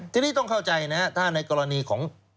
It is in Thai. ทีนี้ต้องเข้าใจนะครับถ้าในกรณีของ